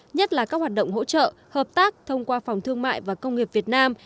nhất là các hoạt động hỗ trợ hợp tác thông qua phòng thương mại và công nghiệp việt nam